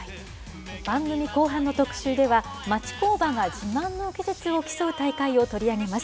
番組後半の特集では、町工場が自慢の技術を競う大会を取り上げます。